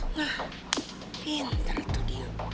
nah pinter itu dio